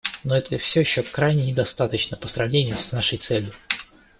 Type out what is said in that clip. Но этого все еще крайне недостаточно по сравнению с нашей целью.